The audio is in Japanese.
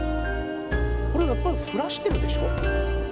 これやっぱり降らしてるでしょ？